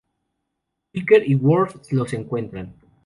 Riker y Worf los encuentran.